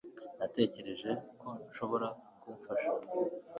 Natekereje ko nshobora kumfasha